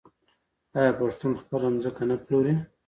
آیا پښتون خپله ځمکه نه پلوري؟